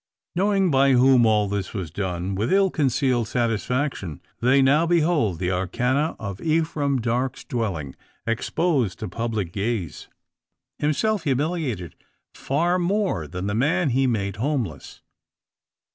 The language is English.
Knowing by whom all this was done, with ill concealed satisfaction, they now behold the arcana of Ephraim Darke's dwelling exposed to public gaze; himself humiliated, far more than the man he made homeless.